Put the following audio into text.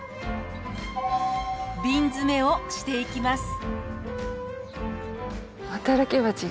瓶詰めをしていきます。